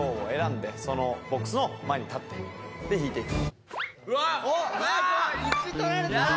で引いていくと。